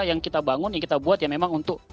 yang kita bangun yang kita buat ya memang untuk